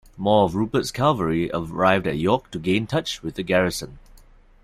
More of Rupert's cavalry arrived at York to gain touch with the garrison.